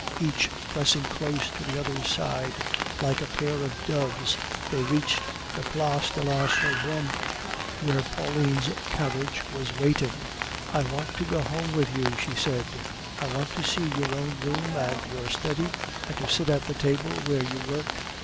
Each pressing close to the other's side, like a pair of doves, they reached the Place de la Sorbonne, where Pauline's carriage was waiting. "I want to go home with you," she said. "I want to see your own room and your study, and to sit at the table where you work.